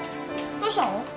どうしたの？